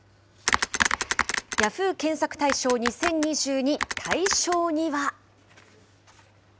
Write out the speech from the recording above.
Ｙａｈｏｏ！検索大賞２０２２、大賞には。